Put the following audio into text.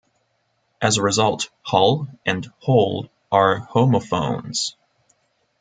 As a result, "hull" and "hole" are homophones.